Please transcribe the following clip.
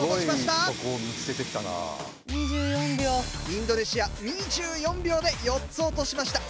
インドネシア２４秒で４つ落としました。